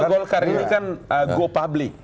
golkar ini kan go public